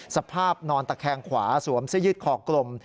สภาพนอนตะแคงขวาสวมเสื้อยืดคอกลม